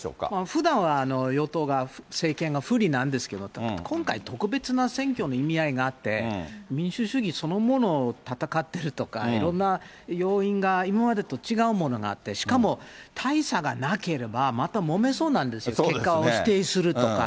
ふだんは与党が、政権が不利なんですけど、今回、特別な選挙の意味合いがあって、民主主義そのものを戦ってるとか、いろんな要因が、今までと違うものがあって、しかも大差がなければ、またもめそうなんですよ、結果を否定するとか。